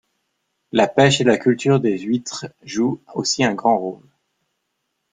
La pêche et la culture des huitres jouent aussi un grand rôle.